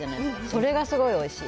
それがすごいおいしい。